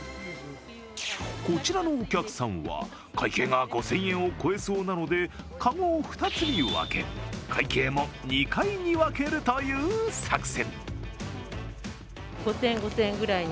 こちらのお客さんは、会計が５０００円を超えそうなので、籠を２つに分け、会計も２回に分けるという作戦。